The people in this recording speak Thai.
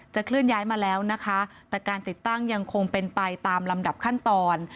เคลื่อนย้ายมาแล้วนะคะแต่การติดตั้งยังคงเป็นไปตามลำดับขั้นตอน